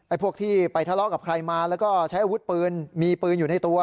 พวกที่ไปทะเลาะกับใครมาแล้วก็ใช้อาวุธปืนมีปืนอยู่ในตัว